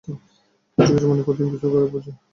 কিছু কিছু মানুষ প্রতিদিন গোসল করে, বুঝলে?